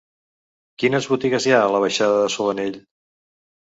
Quines botigues hi ha a la baixada de Solanell?